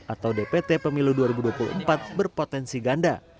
atau dpt pemilu dua ribu dua puluh empat berpotensi ganda